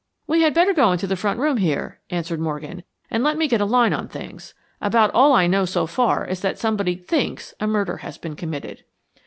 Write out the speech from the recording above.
"We had better go into the front room here," answered Morgan, "and let me get a line on things. About all I know so far is that somebody THINKS a murder has been committed."